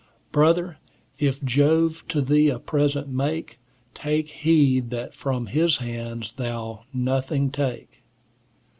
"Brother, if Jove to thee a present make, Take heed that from his hands thou nothing take."